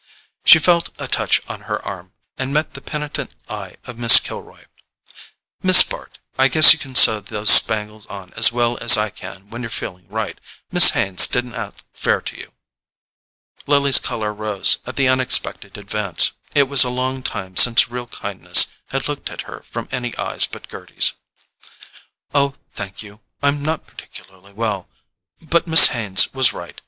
She felt a touch on her arm, and met the penitent eye of Miss Kilroy. "Miss Bart, I guess you can sew those spangles on as well as I can when you're feeling right. Miss Haines didn't act fair to you." Lily's colour rose at the unexpected advance: it was a long time since real kindness had looked at her from any eyes but Gerty's. "Oh, thank you: I'm not particularly well, but Miss Haines was right.